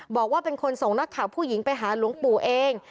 บอกว่าเป็นคนส่งนักข่าวผู้หญิงไปหาหลวงปู่เอง